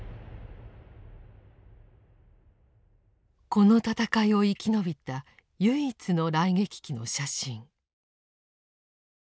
この戦いを生き延びた唯一の雷撃機の写真。